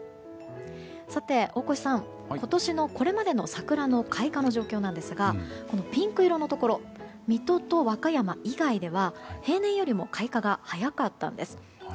さて、大越さん今年のこれまでの桜の開花の状況なんですがピンク色のところ水戸と和歌山以外では平年よりも開花が早かったんです。